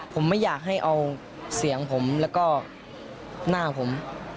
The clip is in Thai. ผมไม่อยากให้เอาเสียงผมแล้วก็หน้าผม